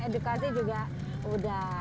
edukasi juga udah